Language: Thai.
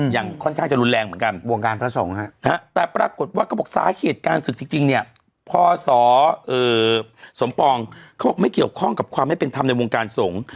อย่างค่อนข้างจะรุนแรงเหมือนกันวงการพระสงฆ์แต่ปรากฏว่าเขาบอกสาเหตุการศึกจริงเนี่ยพศสมปองเขาบอกไม่เกี่ยวข้องกับความไม่เป็นธรรมในวงการสงฆ์